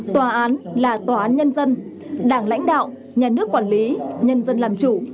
tòa án là tòa án nhân dân đảng lãnh đạo nhà nước quản lý nhân dân làm chủ